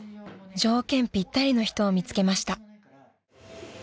条件ぴったりの人を見つけました］